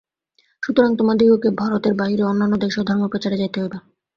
সুতরাং তোমাদিগকে ভারতের বাহিরে অন্যান্য দেশেও ধর্মপ্রচারে যাইতে হইবে।